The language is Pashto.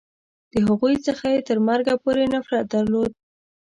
د هغوی څخه یې تر مرګه پورې نفرت درلود.